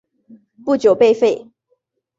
不久被废。